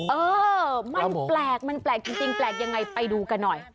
เออมันแปลกมันแปลกจริงแปลกยังไงไปดูกันหน่อย